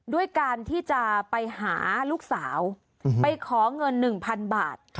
ด้วยการที่จะไปหาลูกสาวไปขอเงิน๑๐๐๐บาท